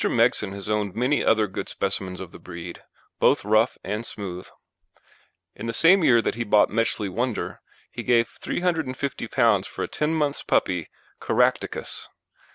Megson has owned many other good specimens of the breed, both rough and smooth. In the same year that he bought Metchley Wonder, he gave P350 for a ten months' puppy, Caractacus.